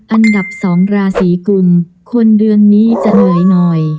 อันดับ๒ราศีกุลคนเดือนนี้จะเหนื่อยหน่อย